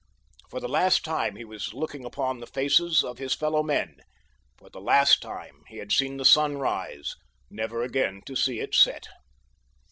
For the last time he was looking upon the faces of his fellow men; for the last time he had seen the sun rise, never again to see it set.